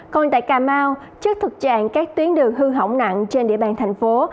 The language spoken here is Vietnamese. còn tại cà mau trước thực trạng các tuyến đường hư hỏng nặng trên địa bàn thành phố